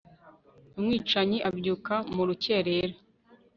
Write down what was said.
umwicanyi abyuka mu rukerera